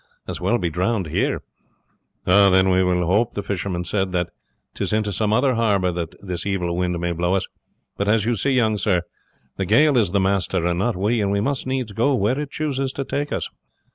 As well be drowned here." "Then we will hope," the fisherman said, "that 'tis into some other harbour that this evil wind may blow us; but as you see, young sir, the gale is the master and not we, and we must needs go where it chooses to take us."